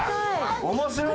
面白い！